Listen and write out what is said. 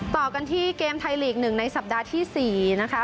ต่อกันที่เกมไทยลีก๑ในสัปดาห์ที่๔นะคะ